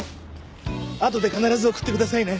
あとで必ず送ってくださいね。